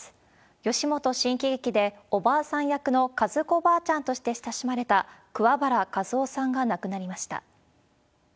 吉本新喜劇で、おばあさん役の和子ばあちゃんとして親しまれた、桑原和男さんが亡くなりました。